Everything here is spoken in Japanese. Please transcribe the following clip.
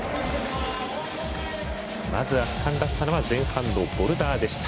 まず圧巻だったのは前半のボルダーでした。